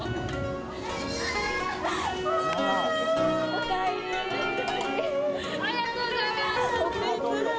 お帰りありがとうございます！